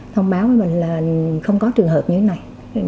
thông báo với mình là không có trường hợp như thế này